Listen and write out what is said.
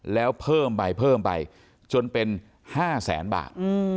แล้วเพิ่มไปเพิ่มไปจนเป็น๕แสนบาท